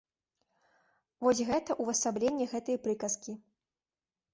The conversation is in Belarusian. Вось гэта ўвасабленне гэтай прыказкі.